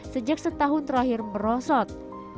sejak setahun terakhir merosot